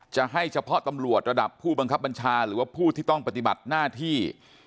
จะให้เฉพาะตำรวจระดับผู้บังคับบัญชาหรือว่าผู้ที่ต้องปฏิบัติหน้าที่